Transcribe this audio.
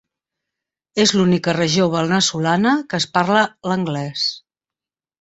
És l'única regió veneçolana que es parla l'anglès.